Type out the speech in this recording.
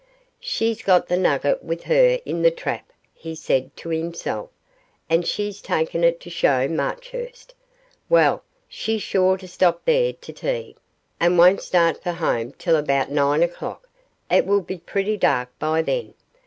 'She's got the nugget with her in the trap,' he said to himself; 'and she's taken it to show Marchurst. Well, she's sure to stop there to tea, and won't start for home till about nine o'clock: it will be pretty dark by then.